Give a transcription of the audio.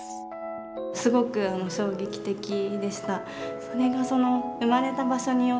すごく衝撃的でした。